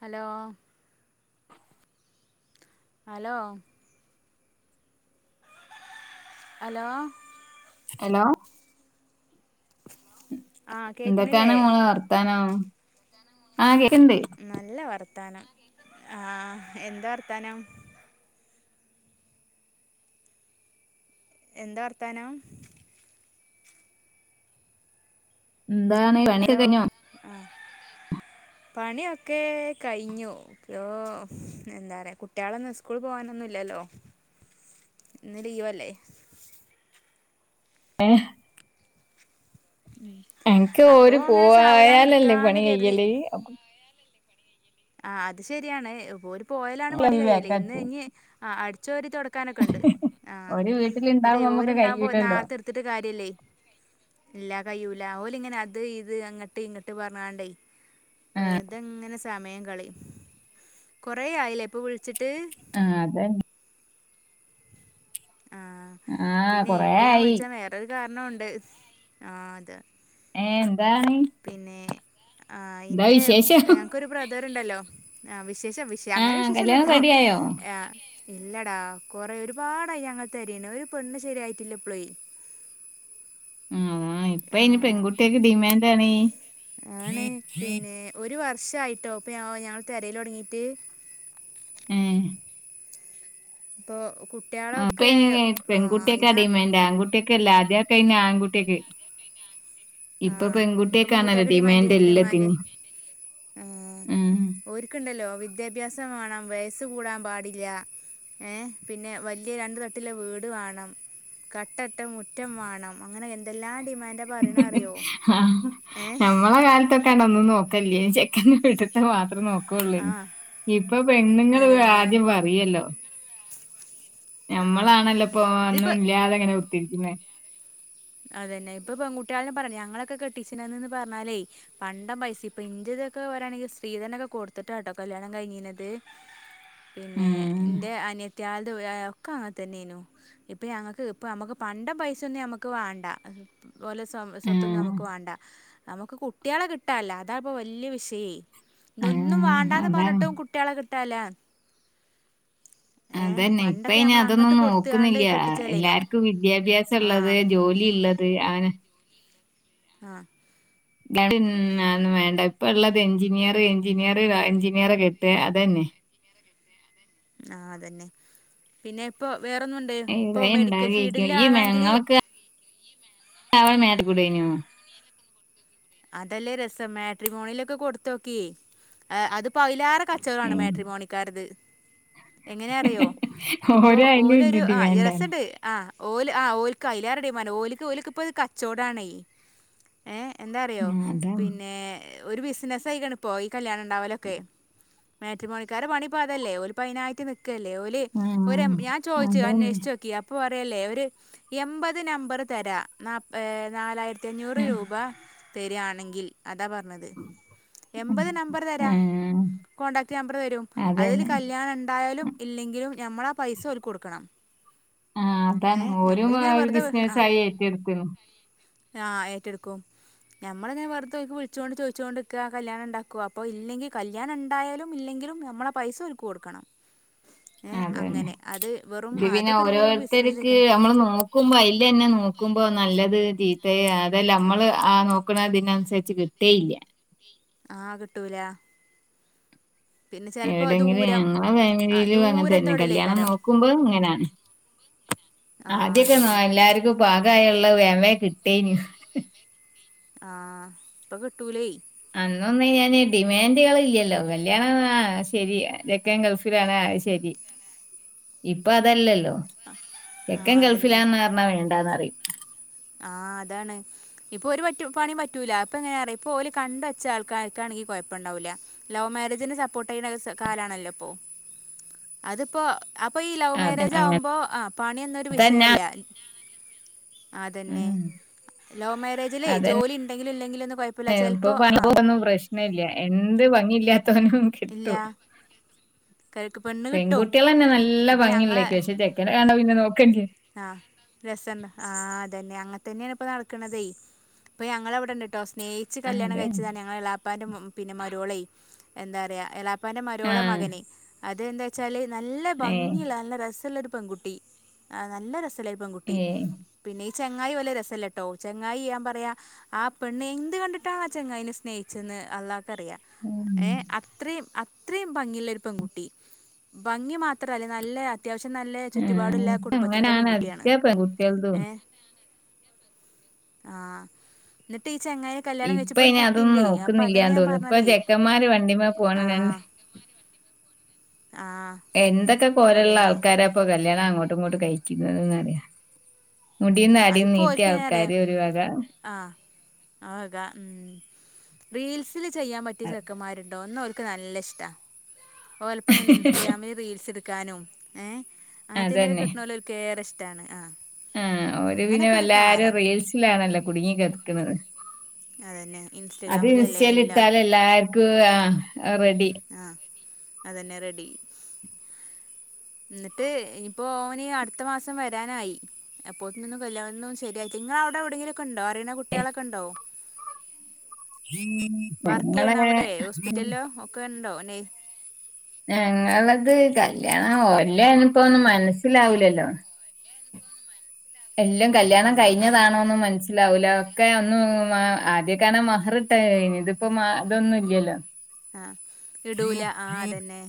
Hello hello hello hello ആ എന്തൊക്കെയാണ് കേക്കണില്ലേ ഇങ്ങളെ വർത്താനം? ആ കേ നല്ല വർത്താനം ആ എന്താ വർത്താനം? എന്താ വർത്താനം? എന്താണ് പണി ഒക്കെ ഹലോ കയ്ഞ്ഞോ? ആ പണിയൊക്കെ കയിഞ്ഞു. [unintelligible] എന്താ റയാ കുട്ടികളൊന്നും സ്കൂൾ പോകാനൊന്നും ന്നും ഇല്ലല്ലോ ഇന്ന് ലീവല്ലേ ഏഹ് എനക്ക് ഓര് അപ്പോൾ അങ്ങനെ സാവധാനം പോവായാലല്ലേ എടുക്കാന്ന് പണി കരുതി കയ്യല് അപ്പം ആ അത് ശര്യാണ്. ഓര് പോയലാണ് പണി ഞാൻ കയ്യല്. ഇന്ന് വേക്കാച്ചു ഞ്ഞി ആ അടിച്ചോര് തൊടക്കാനൊക്കെണ്ട്. ആ ഒരു അതെ വീട്ടിലുണ്ടാവുമ്പോ നമ്മുക്ക് ഓര്ണ്ടാവുമ്പോ കഴിയൂലല്ലോ നേരത്തെട്ത്തിട്ട് കാര്യല്ല്യേ ഇല്ലാ കയൂല. ഓല് ഇങ്ങനെ അത് ഇത് അങ്ങട്ട് ഇങ്ങിട്ട് പറഞ്ഞാണ്ടേ വെർതെങ്ങനെ സമയം കളയും. കൊറെ ആയില്ലേ ഇപ്പോ വിളിച്ചിട് ആ അതെ ആ ആ പിന്നെ കൊറേ ഇപ്പ ഞാൻ ആയി വിളിച്ചത് വേറൊരു കാരണുണ്ട്. ആ അത് ഏ എന്താണ് പിന്നേ ആ എന്താ ഇന്റെ വിശേഷം ഞങ്ങക്കൊരു ബ്രദറ്ണ്ടല്ലോ. അവ് വിശേഷം വിശയം ആ അങ്ങനെ കല്യാണം വിശേഷല്ലട്ടോ റെഡിയായോ ആ [inaudible] ഇല്ലടാ കൊറെ ഒരുപാടായി ഞങ്ങൾ തെരയണ്. ഒരു പെണ്ണ് ശെരിയായിട്ടില്ല ഇപ്ലെ ഊം. ഇപ്പ അയ്ന് ആഹ് പെൺകുട്ട്യക്ക് ഡിമാന്റ് ആണി ഷായിട്ടോ ഇപ്പ ഞങ്ങള് ഞങ്ങള് തെരയലൊടങ്ങീട്ട് ഏ പ്പോ ആ പ്പയിന് പെങ്കുട്ട്യാക്ക ഡിമാന്റ് ആങ്കുട്ട്യാക്കല്ല ആദ്യക്കെയ്ന്ന് ആങ്കുട്യേക്ക് ആ ഇപ്പ ഇപ്പൊ പെങ്കുട്ട്യക്കാണല്ലോ പെൺകുട്ടികൾക്ക് ഡിമാൻഡ് ഡിമാൻഡ് എല്ലാത്തിനും ആ ഉം. ഓര്ക്ക്ണ്ടല്ലോ വിദ്യാഭ്യാസം വേണം. വയസ് ത് കൂടാൻ പാടില്ല. ഏ പിന്നെ വല്യേ രണ്ടു തട്ട്ള്ള വീട് വേണം കട്ടട്ട മുറ്റം വേണം. അങ്ങനെ എന്തെല്ലാം ഡിമാൻഡാ പറയണ അറിയോ ആ ഏ ഞമ്മള കാലത്തൊ ക്കന്നാ ഒന്നും നോക്കല്ല്യേ ചെക്കന്റെ വീട്ട്ത്ത മാത്രം നോക്കും കൊള്ളും ആ ഇപ്പ പെണ്ണുങ്ങള് അതന്നെ ആദ്യം പറയല്ലോ ആ ഞമ്മളാണല്ലോപ്പോ ഇതിപ്പോ അന്നുംല്ലാതെങ്ങനെ കുത്തിരിക്കുന്നേ അതന്നെ ഇപ്പൊ പെൺകുട്ടികളും പറണ്ട ഞങ്ങളൊക്കെ കെട്ടിച്ചന്ന്ന്ന് പറഞ്ഞാലേ പണ്ട പൈസ ഇപ്പ ഇന്റെ ഇതൊക്കെ വരാണെങ്കിൽ സ്ത്രീതനോക്കെ കൊടുത്തിട്ടാ ട്ടോ കല്യാണം കഴിഞ്ഞീന്നത് പിന്നെ ഉം. എന്റെ അനിയത് യാണ്ട് വെ ഒക്കെ അങ്ങെനെതന്നെനു ഇപ്പ ഞങ്ങക്ക് ഇപ്പ നമുക്ക് പണ്ട പൈസ ഒന്ന് ഞമക്ക് നമക്ക് വേണ്ട പോലെ സ്വ സ്വത്തും ആഹ്. നമുക്ക് വേണ്ട നമുക്ക് കുട്ട്യാള കിട്ടാല്ല അതാ ഇപ്പൊ വല്യെ വിഷയേ ഇതൊന്നും ആഹ്. വേണ്ടാന്ന് അതാണ്. പറഞ്ഞിട്ടും കുട്ട്യാള കിട്ടാൻല്ലാ അതന്നെ ഇപ്പ ഇനി അതൊന്നും കൊടുത്തുകാണ്ട് നോക്കുന്നില്ല കെട്ടിച്ചല്ലേനോ എല്ലാർക്കും വിദ്യാഭ്യാസം ആ ഉള്ളത് ജോലി ഇള്ളത് അങ്ങനെ ആഹ് പിന്നതൊന്നും വേണ്ട ഇപ്പ ള്ള എഞ്ചിനീയറ് എഞ്ചിനീയറ് എഞ്ചിനീയറെ കെട്ട്ക അതന്നെ ആഹ് അതന്നെ പിന്നെ ഇപ്പൊ വേറൊന്നുണ്ട് ഇപ്പൊ ഇടെ മെഡിക്കൽ ഇണ്ടാകരിക്കും ഫീൽഡില് ഈ ആണെങ്കില് മെരങ്ങളൊക്കെ അവിടെ മേടി ഫുഡ്‌ കഴിഞ്ഞോ? അതല്ലേ രസം മാട്രിമോണിലൊക്കെ കൊടുത്തോക്കി ഏഹ് അത് പ്പ അതിലേറെ കച്ചവടാണ് മാട്രി മോണിക്കാരത് എങ്ങനെ അറിയോ ഇപ്പൊ ഓരോ അയിലും ഇത് ഓലൊരു ആഹ് ഡിമാൻഡാണ് രസുണ്ട് ആഹ് ഓല് ആഹ് ഓല്ക്ക് അതിലേറെ ഡിമാന്റാ ഓല്ക്ക് ഓല്ക്ക് ഇപ്പത് കച്ചോടണേ ഏഹ് എന്താ അറിയോ ഉം അതാണ് പിന്നെ ഒരു ബിസിനസ്സായിക്കണുപ്പോ ഈ കല്യാണം ഉണ്ടാവലൊക്കെ മാറ്റ്റ്മോണിക്കാരുടെ പണിപ്പോ അതല്ലെ ഓല്പതിനായിട്ട് ക്കല്ലേ ഒല് ഉം ഒരം ഞാൻ ചോദിച്ചു അതന്നെ അന്വേഷിച്ചച്ച് നോക്കി അപ്പൊ പറ പ്പേല്ലേ ഒരു എൺമ്പത് നമ്പറ് തരാ നപ്പ് നാലായിരത്തി അഞ്ഞൂറ് ഉം രൂപ ശരിയാണെങ്കിൽ അതാ പറഞ്ഞത് ഉം എമ്പത് നമ്പറ് തരാ ഉം കോണ്ടാക്ട് നമ്പര് തരും അതില് അതന്നെ കല്യാണം ഉണ്ടായാലും ഇല്ലെങ്കിലും നമ്മളാ പൈസ ഓൽക്ക് കൊടുക്കണം ആ ഏ അതാണ് ഓരും ഞമ്മളിങ്ങനെ വെറുതെ ആ ബിസിനസ് ആയി ഏറ്റെടുക്കുന്നു ആ ഏറ്റെടുക്കും ഞമ്മളിങ്ങനെ വെറുതെ ഓർക്ക് വിളിച്ചോണ്ട് ചോദിച്ചോണ്ട് നിക്കുക അപ്പോ കല്യാണം ഉണ്ടുകവാ അപ്പോ ഇല്ലെങ്കിൽ കല്യാണം ഉണ്ടായാലും ഇല്ലെങ്കി ങ്കിലും നമ്മടെ പൈസ ഓർക്ക് കൊടുക്കണം ഏയ് അതന്നെ അങ്ങനെ അത് വെറും ഇത് പിന്നെ അതൊക്കെ ഒരു വെറും ഓരോരുത്തർക്ക് ബിസിനസ്സായിക്കണ് നമ്മള് നോക്കുമ്പോ അതില് തന്നെ നോക്കുമ്പോ നല്ലത് രീ- അതെ അതെല്ല നമ്മള് ആ നോക്കണ അതിനതിനനുസരിച്ച് കിട്ടേയില്ല ആഹ് കിട്ടൂല പിന്നെ ചിലപ്പോൾ എവിടെങ്കിലും ദൂരം ഞങ്ങളെ ആ ഫാമിലിലും അങ്ങനെ ദൂരത്തെ തന്നെ കല്യാണം എവിടെയല്ലേക്കാരം നോക്കുമ്പോ ഇങ്ങനെയാണ് ആ ആദ്യക്കെ അതന്നെ എല്ലാർക്കും പാകായുള്ള വേഗം വേഗം കിട്ടേനൂ ആ ഇപ്പൊ കിട്ടൂലേ അന്നൊന്നും ഇങ്ങനെ ഡിമാൻഡുകള് ഇല്ലല്ലോ കല്യാണം ആ ശരി ചെക്കൻ ഗൾഫിലാണ് ആ ശരി ഇപ്പൊ അതല്ലല്ലോ ആ ചെക്കൻ അതന്നെ ഗൾഫിലാന്ന് പറഞ്ഞാ വേണ്ടാന്ന് പറയും ആഹ് അതാണ് ഇപ്പൊ ഒരുപറ്റ് പണിയും പറ്റൂല അപ്പ എങ്ങനാ അറിയാം ഇപ്പൊ ഓലെ കണ്ട വച്ച ആൾക്കാർക്കാണെങ്കിൽ കുഴപ്പമുണ്ടാവില്ല ലവ് മാരേജിന് സപ്പോർട്ട് ചെയ്യുന്ന കാലമാണല്ലോ ഇപ്പോ അതിപ്പോ അപ്പൊ ഈ ലവ് അതെ മാരേജ് ആവുമ്പോ ആ പണിയൊന്നും ഒരു അങ്ങനത്തന്നെ വിഷയല്ല അതന്നെ ഉം ലവ് മാരേജിലേ അതന്നെ ജോലി ഉണ്ടെങ്കിലും ഇല്ലെങ്കിലും ഒന്നും കുഴപ്പമില്ല ഇപ്പൊ ചിലപ്പോ ആ പണിക്കൊന്നും പ്രശ്നല്ല എന്ത് ഭംഗിയില്ലാത്തവനും ഇല്ല കിട്ടും പെണ്ണ് കിട്ടും പെൺകുട്ടികൾന്നെ നല്ല ഇപ്പൊ ഞങ്ങളെ ഭംഗിയുള്ളയായിരിക്കും പക്ഷേ ചെക്കന കണ്ട പിന്നെ നോക്കണ്ട രസന്നെ, ആ അതന്നെ അങ്ങനെ തന്നെയാണ് ഇപ്പോൾ നടക്കണതേ ഇപ്പം ഞങ്ങൾ അവിടെ ഉണ്ട് കേട്ടോ സ്നേഹിച്ച് കല്യാണം അതെ കഴിച്ചതാ ഞങ്ങളെ എളാപ്പാന്റെ പിന്നെ മരുമോള എന്താ പറയാ എള- പ്പാന്റെ ആ മരുമോടെ മകന് അത് എന്താ വെച്ചാല് നല്ല ഏ ഭംഗിയുള്ള നല്ല രസള്ള ഒരു പെൺകുട്ടി നല്ല രസമുള്ളൊരു പെൺകുട്ടി ഏ പിന്നെ ഈ ചെങ്ങായി വെല്യ രസല്ലട്ടോ ചെങ്ങായി ഞാൻ പറയാ ആ പെണ്ണ് എന്ത് കണ്ടിട്ടാണ് ആ ചെങ്ങായിനെ സ്നേഹിച്ച ഞ അള്ളാക്കറിയ ഉം അത്രിം അത്രിം ഭംഗിള്ള ഒരു പെൺകുട്ടി ഭംഗി മാത്രല്ല നല്ല അ- അത്യാവശ്യം നല്ല ആ ചുറ്റുപാടുള്ള കുടുംബത്തിൻ്റെ അങ്ങനാണ് പെൺകുട്ട്യാണ് അധിക പെൺകുട്ടികൾതും ഏ ആ ഇന്നിട്ട് ചെങ്ങായ കല്യാണം ഇപ്പൊ കയ്ച്ചപ്പോ ഒരു ഇനി അതൊന്നും കുട്ടിണ്ട് അപ്പൊ അതന്നെ ഞാൻ പർഞ്ഞതേ വണ്ടിമ്മെ [unintelligible] ആ എന്തെക്കെ കോലള്ള അതന്നെ ആൾക്കാരാപ്പൊ കല്യാണം അങ്ങോട്ടും ഇങ്ങോട്ടും കയെക്ക്ന്നെത് ന്നറിയാ മുടിയും ആ താടിയും ഇപ്പൊ നീട്ടിയ ആൾക്കാര് ഒരു വക ആക ഉം റീൽസിൽ ചെയ്യാൻ പറ്റ്യെ അ- ചെക്കമ്മാരുണ്ടോ ഒന്ന് ക്ക് നല്ല ഇഷ്ട ഓലപ്പം ഇങ്ങനെ ഇൻസ്റ്റഗ്രാമിൽ റീൽസ് ഇട്ക്കാനും ഏ അങ്ങനത്തീനൊക്കെ കിട്ട്ണോലോൽക്ക് ഏറെ ഇഷ്ടാണ് ആ ആ ഒരുവിനം അങ്ങനൊക്കെ ഒരു എല്ലാരും കാലം റീൽസിലാണല്ലോ കുടുങ്ങി കിടക്കുന്നത് അതന്നെ അത് ഇൻസ്റ്റഗ്രാമിലല്ലേ എല്ലാ ഇൻസ്റ്റേലിട്ടൽ എല്ലാർക്കും ആ ആ അതന്നെ റെഡി എന്നിട്ട് ഇനിപ്പോ ഓനി അടുത്ത മാസം വരാനായി എപ്പോത്ത നിന്നും കല്യാണം ശരിയ ഇങ്ങളവിടെ എവിടെങ്കിലും ഒക്കെണ്ട അറിയണ കുട്ട്യാളൊക്കെണ്ടോ വർക്ക് ഞങ്ങളെ ചെയ്യണ അവിടെ ഹോസ്പിറ്റലോ ഒക്കെ ഉണ്ടോെ നെ- ഞങ്ങളത് കല്യാണം ഒല്ലനപ്പോ ഒന്നും മനസിലാവൂലല്ലോ എല്ലാം കല്യാണം ആഹ് കഴിഞ്ഞതാണോന്ന് മനസ്സ- ലാവൂല ഒക്കെ ഒന്നും ആദ്യമൊക്കെ കാണാൻ മഹറിട്ടയാരുന്നു ഇനി ഇതിപ്പോ അതൊന്നും ഇല്ലല്ലോ ആ ഇടൂല ആ അതന്നെ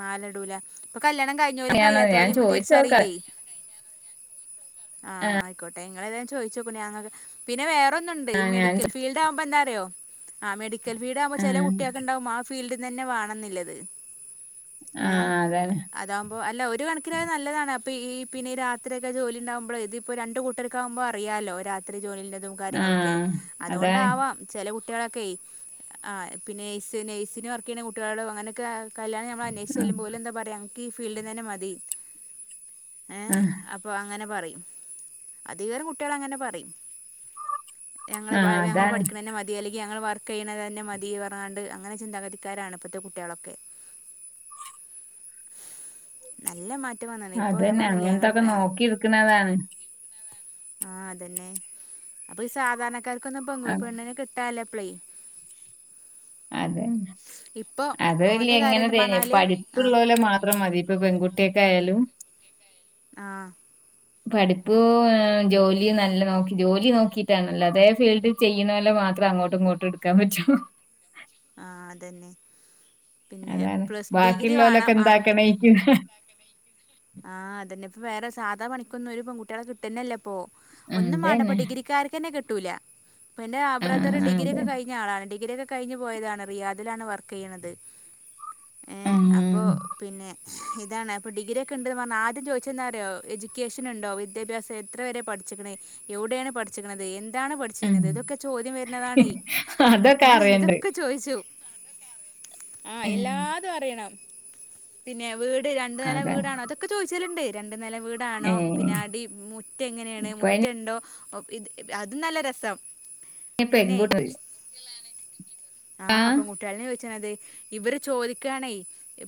മാലടൂല ഇപ്പൊ കല്യാണം കഴിഞ്ഞവരും ഞാന് ഞാൻ കഴിയാത്തവരും ചോയിച്ചോക്കാം തിരിച്ചറീല്ലേ ആഹ് ആയിക്കോട്ടെ നിങ്ങൾ എതയാലും ചോദിച്ചോക്ക ഞങ്ങൾക്ക് പിന്നെ വേറെന്നുണ്ട് ആ ഈ ഞാൻ മെഡിക്കൽ ഫീൽഡ് ആമ്പോ എന്താല റിയോ ആ മെഡിക്കൽ ഫീൽഡ് ആകുമ്പോ ചെല ഉം കുട്ടികൾക്ക് ഉണ്ടാവും ആ ഫീൽഡിനെന്നെ വാണംനിള്ളത് ആ ആ, ഏ അതാണ് അതാവുമ്പോ അല്ല ഒരു കണക്കിനത് നല്ലതാണ്. പ്പി ഈ പിന്നെ ഈ രാത്രിയൊക്കെ ജോലിണ്ടാവുമ്പളെ ഇതിപ്പോ രണ്ട് കൂട്ടർക്കാവുമ്പോ അറിയാലോ രാത്രി ജോലിള്ളത്. തും ആ കാര്യങ്ങളൊക്കെ അതാണ് അതുകൊണ്ടാവാം ചെല കു ട്ട്യാളൊക്കെയ് ആ പിന്നെ നേഴ്സ് നേഴ്സിന് വർക്ക് ചെയ്യണ കുട്ടികളോ അങ്ങനൊക്കെ കല്യാണം മ്മൾ അന്വേഷിച്ചല്ലുമ്പോ ഓലെന്താ പറയുക നക്കി ഫീൽഡിന്നന്നെ മതി. ഏ ആ അപ്പ അങ്ങനെ പറിം അധികേറെ കുട്ടികളങ്ങനെ പറയും. ഞങ്ങള് ആ ഞങ്ങള് അതാണ് പഠിക്കണെന്നെ മതി അല്ലെങ്കി ഞങ്ങള് വർ ക്കെയ്ണതന്നെ മതി പറഞ്ഞ്ങ്ങാണ്ട് അങ്ങനെ ചിന്താഗതിക്കാരാണ് ഇപ്പഴ്ത്തെ കുട്ടികളൊക്കെ. നല്ല മാറ്റം വന്നാണ് ഇപ്പോൾ ഞാൻ അതന്നെ പറഞ്ഞില്ലേ ഞങ്ങൾ അങ്ങൻത്തൊക്കെ നോക്കി ഇടുക്കണതാണ്. ആ അതന്നെ അപ്പ ഈ സാധാരണക്കാർക്കൊന്നും അ പെ പെണ്ണിനെ കിട്ടാല്ല. പ്ലേ. അതെ. അത് ഓൻ്റെ കാര്യം എന്ന് വെല്ല്യതിങ്ങനെല്ലായ്ന് പറഞ്ഞാൽ ആ പഠിപ്പുള്ളോലെ മാത്രം മതി ഇപ്പൊ പെൺകു ട്ട്യേക്കായാലും. ആ പഠിപ്പ് ഏ ജോലി നല്ല നോക്കി ജോലി നോക്കിട്ടാണല്ലോ അതേ ഫീൽഡിൽ ചെയ്യണോലേ വ മാത്രം അങ്ങോട്ടും ഇങ്ങോട്ടും ഇടാക്കാൻ പറ്റോ ആ അതന്നെ. പിന്നെ അതാണ് പ്ലസ് ഡിഗ്രി ബാക്കിള്ളോലൊക്കെ എന്താക്കണായ്‌ക്കും. ആ അതഞന്നെ ഇപ്പൊ വേറെസ് സാധാ പണിക്കൊന്നും ഒരു പെൺകുട്ട്യോളെ കിട്ടന്നെല്ലപ്പൊ ഒന്നും മാണ്ടപ്പ അതന്നെ ഡിഗ്രിക്കാർക്കന്നെ കിട്ടൂല. പിന്നെ ആ ആബ്രതറ് അതെ ഡിഗ്ര്യൊക്കെ കയ്ഞ്ഞ ആളാണ് ഡിഗ്ര്യൊക്കെ കയിഞ്ഞ് പോയതാണ് റിയാദിലാണ് വർക്കെയ്യ്ണത് ഏ ആ അപ്പോ പിന്നെ ഇതാണ് പ്പൊ ഡിഗ്രിക്കെ ഇണ്ടിന്ന് പർഞ്ഞ് ആദ്യം ചോദിച്ചന്താറിയോ എജുക്കേഷനിണ്ടോ വിദ്യാഭ്യാസം എത്ര വരെ പട് ച്ചിക്കണ് എവിടെയാണ് പഠിച്ചിക്കണത് എൻ ന്താണ് ആ പഠിച്ചിരുന്നത് ഇതൊക്കെ ചോദ്യം വരുന്നതാണെ അതൊക്കെ ഏ ഇത അറിയണ്ട് ചോയിച്ചു ആ ഏ, എല്ലാതും അറിയണം പിന്നെ വീട് രണ്ടു നെല അതാ വീടാണോതൊക്കെ ചോദിച്ചല്ണ്ട്. നെല വീടാണോ ഏ പിന്നെ അടി മുറ്റ എങ്ങനെണ് ഇപ്പൊ അതിന് മുറ്റണ്ടോ? ഇത് അതുന്നല്ല രസം. [unintelligible] ആ പെൺകുട്ട്യാൾനെ ച്ചണത് ഇവര് ചോദിക്കാണേ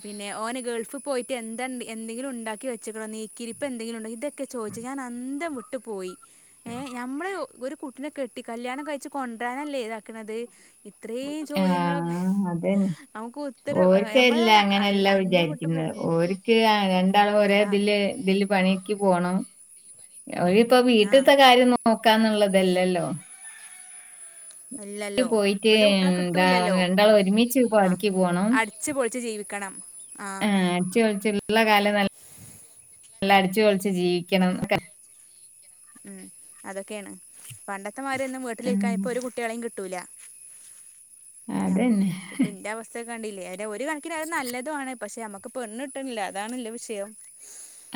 പിന്നെ ഓന് ഗൾഫിൽ പോയിട്ട് എന്ത എന്തെങ്കിലും ഉണ്ടാക്കി വെ ച്ചിക്കണോ നീക്കിയിരിപ്പ് എന്തെകിലുണ്ടോ ഇതൊക്കെ ചോയിച്ച് ഞാനന്തം വിട്ട് പോയി ഏ യമ്മള് കുട്ട്നെ കെട്ടി കല്യാണം കഴിച്ച് കൊണ്ടരാനല്ലേതാക്കണത്. ഇത്രേം ആ ചോദ്യങ്ങളൊക്കെ അതന്നെ നമുക്ക് ഉത്തരം യമ്മളന്നെ അൽ അന്തം വിട്ട്പോം. ഒര്ക്ക് രണ്ടാളും ഒരേ ഇതില് ഇതില് പണിക്ക് പോണം. ഒരിപ്പോ ആഹ് വീട്ടിത്തെ കാര്യം നോക്കാന്നുള്ളതല്ലല്ലോ. ക്ക്‌ ഇല്ലല്ലോ പോയിട്ട് ഇപ്പഴത്തെ കുട്ടികളെ എന്താ കിട്ടൂല്ലല്ലോ രണ്ടാളൊരുമിച്ച് ആഹ് പണിക്ക് പോണം. അടിച്ചു പൊളിച്ച് ജീവിക്കണം ആ ആഹ് അട്ച്ചൊളിച്ചിള്ള കാലം നല്ല നല്ല അടിച്ചൊളിച്ചു ജീവിക്കണംക്കെ. ഉം അതെക്കെയാണ് പണ്ടത്തെമാരൊന്നും ഉം വീട്ടിലിരിക്കാൻ ഇപ്പൊരു കുട്ടികളെയും കിട്ട് ട്ടൂല ഞമം അതന്നെ ഇപ്പിന്റെയവസ്ത്തെക്കെ കണ്ടില്ലേ? ഒരു കണക്കിനത് നല്ലതുവാണ് പക്ഷെ മ്മക്ക് പെണ്ണിട്ടണില്ല അതാണല്ല വിഷയം.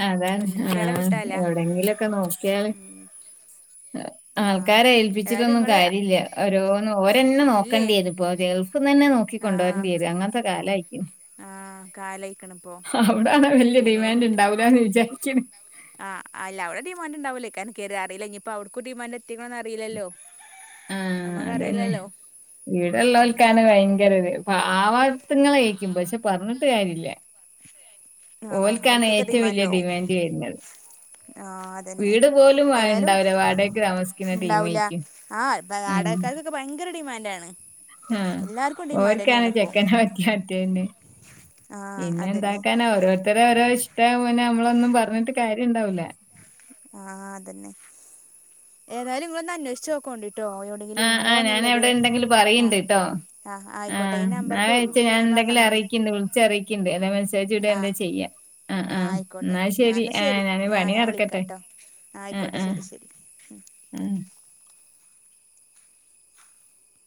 അതാണ് പെൺകുട്ടികളെ ആ കിട്ടാല്ല എവിടെങ്കിലൊക്കെ നോക്കിയാല് ആഹ് ആൾക്കാരെ ഏതായാലും ഏൽപ്പിച്ചിട്ടൊന്നും ഇങ്ങള് കാര്യല്ല ഓരോന്ന് ഓരന്നെ ഇല്ലേ നോക്കേണ്ടിരുപ്പോ ഗൾഫന്നന്നെ നോക്കി കൊണ്ടു വരണ്ടി വരും അങ്ങനത്തെ കാലായി. ആ കാലെയിക്കണിപ്പോ. വെല്ല്യ ഡിമാൻഡ്ണ്ടാവൂലാന്ന് വിചാരിക്കണ്. ആഹ് അല്ലാ ടെ ഡിമാൻഡ്ണ്ടാവൂലെ കാരം കറീല ഞ്ഞിപപൗ ക്കു ഡിമാൻഡ ആഹ അതന്നെ നമ്മക്കറിയില്ലല്ലോ വീടള്ളോവൽക്കാന് ഭയങ്കരത് പവാത്തങ്ങളഴക്കും പക്ഷെ പറഞ്ഞിട്ട് കാര്യല്ല ആഹ് ഓൽക്കാണ് ഒടുക്കത്തെ ഏറ്റവും വലിയ ഡിമാൻഡാവും ഡിമാൻഡ് വെരുന്ന ആഹ് അതന്നെ വീട് പോലും വാ ഏതായാലും ണ്ടാവല വാടകക്ക് താമസിക്കുന്ന ടീമേക്കു ഹ് - [unintelligible] ഓക്കെ ഭയങ്കര ഡിമാൻറ്റാണ് ആഹ ഓർക്കാണ് ചെക്കന പറ്റത്തേന് ആഹ അതെന്നെ രുത്തരെ ഓരോ ഇഷ്ട വുമ്പോ നമ്മളൊന്നും പറഞ്ഞിട്ട് കാര്യം ഉണ്ടാവുല്ല ആഹ അതന്നെ ഏതായാലും ഇങ്ങള ഒന്ന് അന്വേഷിച്ച് നോക്കണ്ടി ആഹ ആഹ ഞാൻ എവിടെ ഉണ്ടെങ്കിലും പറയണ്ട് ആഹ് ട്ടോ ആഹ് ആയിക്കോട്ടെ ഈ നമ്പർക്ക് ആഹ്ഞൻെച്ച ഞാ പിന്നെ എന്തെങ്കിലും പറഞ്ഞന്നാ മതി അറിയിക്കണ്ട് വിളിച്ച അറിയിക്കണ്ട് ഇതേ [unintelligible] എന്താ ആഹ് ചെയ്യാം ആഹ ആഹ് ആയിക്കോട്ടെ എന്നാൽ ആഹ് ശെരി എന്നാ ആ ശരി ഞാൻ ആഹ് പണി നടക്കട്ടെ വിളിക്കാട്ടോ ആഹ് ആ ആയിക്കോട്ടെ ആ ശരി ശരി ഉം